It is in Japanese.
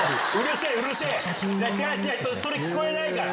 それ聞こえないから！